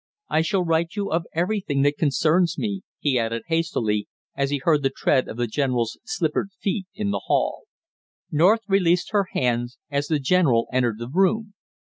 I shall write you of everything that concerns me!" he added hastily, as he heard the tread of the general's slippered feet in the hall. North released her hands as the general entered the room.